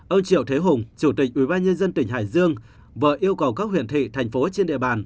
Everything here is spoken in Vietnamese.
ông triệu thế hùng chủ tịch ủy ban nhân dân tỉnh hải dương vợ yêu cầu các huyện thị thành phố trên địa bàn